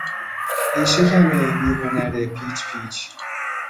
ای شکم بی هنر پیچ پیچ